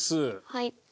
はい。